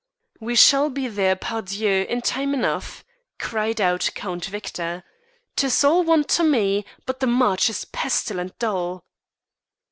"We shall be there, par dieu! in time enough," cried out Count Victor. "'Tis all one to me, but the march is pestilent dull."